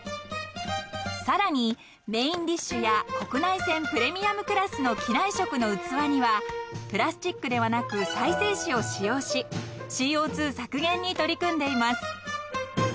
［さらにメインディッシュや国内線プレミアムクラスの機内食の器にはプラスチックではなく再生紙を使用しＣＯ２削減に取り組んでいます］